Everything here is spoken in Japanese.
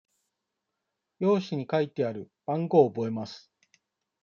用紙に書いてある番号を覚えます。